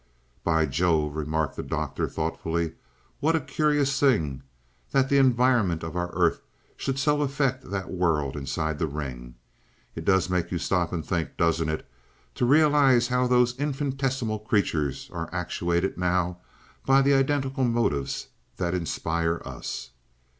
"By Jove!" remarked the Doctor thoughtfully, "what a curious thing that the environment of our earth should so affect that world inside the ring. It does make you stop and think, doesn't it, to realize how those infinitesimal creatures are actuated now by the identical motives that inspire us?"